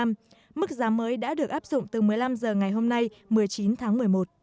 mức giá mới đã được áp dụng từ một mươi năm h ngày hôm nay một mươi chín tháng một mươi một